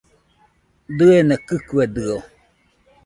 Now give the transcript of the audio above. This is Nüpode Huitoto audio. Diena kɨkuedɨo